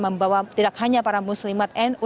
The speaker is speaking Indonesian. membawa tidak hanya para muslimat nu